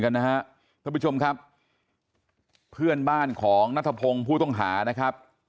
นะฮะท่านผู้ชมครับเพื่อนบ้านของนัทพงศ์ผู้ต้องหานะครับ